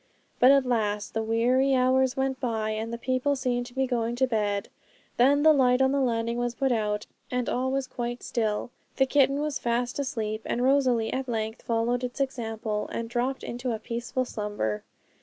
But at last the weary hours went by, and the people seemed to be going to bed. Then the light on the landing was put out, and all was quite still. The kitten was fast asleep; and Rosalie at length followed its example, and dropped into a peaceful slumber.